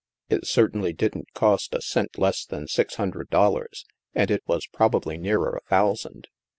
" It certainly didn't cost a cent less than six hun dred dollars, and it was probably nearer a thou sand.